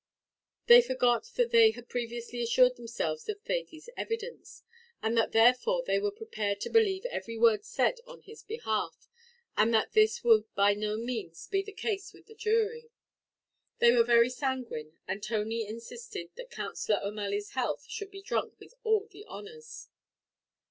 They forgot that they had previously assured themselves of Thady's evidence, and that therefore they were prepared to believe every word said on his behalf; but that this would by no means be the case with the jury. They were very sanguine, and Tony insisted that Counsellor O'Malley's health should be drunk with all the honours.